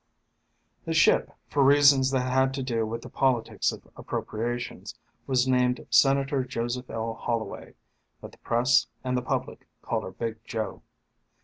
_ The ship, for reasons that had to do with the politics of appropriations, was named Senator Joseph L. Holloway, but the press and the public called her Big Joe.